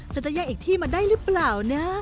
ฉันจะย้ายอีกที่มาได้หรือเปล่านะ